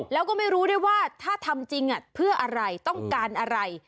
แล้วก็ไม่รู้ด้วยว่าถ้าทำจริงเพื่ออะไรต้องการอะไร